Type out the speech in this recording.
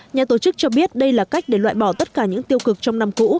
nhà tổ chức cho biết đây là cách để loại bỏ tất cả những tiêu cực trong năm cũ